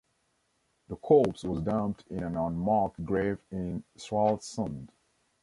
The corpse was dumped in an unmarked grave in Stralsund.